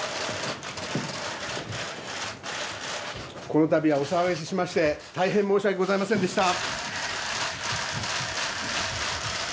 この度はお騒がせしまして大変申し訳ございませんでした。